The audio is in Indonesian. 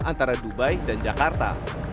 antara dubai dan jakarta